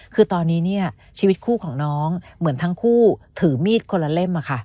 คือตอนนี้ชีวิตคู่ของน้องเหมือนทั้งคู่ถือมีดคนละเล่ม